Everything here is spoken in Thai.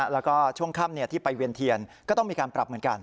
แล้วก็ช่วงค่ำที่ไปเวียนเทียนก็ต้องมีการปรับเหมือนกัน